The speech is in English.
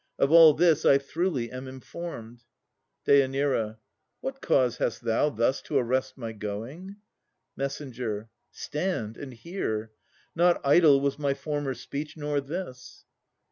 Of all this I throughly am informed. DÊ. What cause hast thou Thus to arrest my going? MESS. Stand, and hear. Not idle was my former speech, nor this.